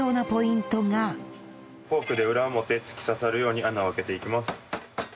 フォークで裏表突き刺さるように穴を開けていきます。